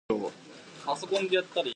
The first Collector was James Seagrove.